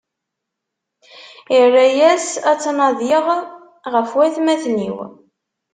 Irra-yas: Ad tnadiɣ ɣef watmaten-iw.